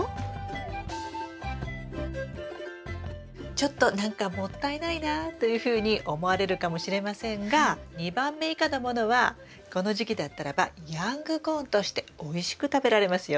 ちょっと何かもったいないなというふうに思われるかもしれませんが２番目以下のものはこの時期だったらばヤングコーンとしておいしく食べられますよ。